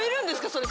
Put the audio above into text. それ。